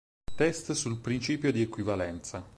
Test sul Principio di equivalenza